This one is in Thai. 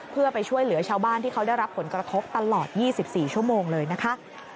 เพื่อไปช่วยเหลือชาวบ้านที่เขาได้รับผลกระทบตลอด๒๔ชั่วโมงเลยนะคะ